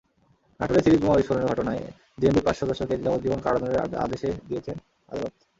নাটোরে সিরিজ বোমা বিস্ফোরণের ঘটনায় জেএমবির পাঁচ সদস্যকে যাবজ্জীবন কারাদণ্ডের আদেশে দিয়েছেন আদালত।